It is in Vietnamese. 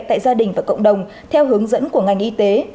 tại gia đình và cộng đồng theo hướng dẫn của ngành y tế